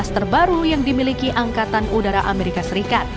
enam belas terbaru yang dimiliki angkatan udara amerika serikat